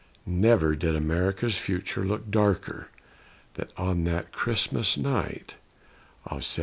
Never did America's future look darker than on that Christmas night of 1776.